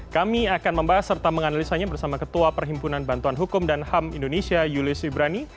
kami akan membahas serta menganalisanya bersama ketua perhimpunan bantuan hukum dan ham indonesia julius ibrani